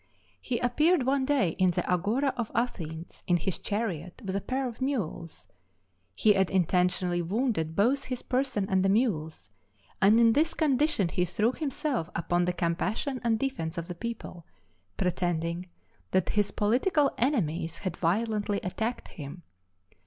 He appeared one day in the agora of Athens in his chariot with a pair of mules: he had intentionally wounded both his person and the mules, and in this condition he threw himself upon the compassion and defence of the people, pretending that his political enemies had violently attacked him.